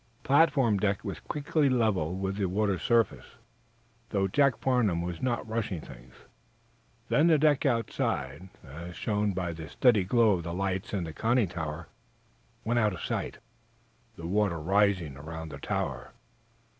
The platform deck was quickly level with the water's surface, though Jacob Farnum was not rushing things. Then the deck outside, as shown by the steady glow of the lights in the conning tower, went out of sight, the water rising around the tower.